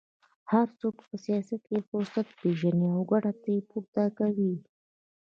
هر څوک په سیاست کې فرصت پېژني او ګټه ترې پورته کوي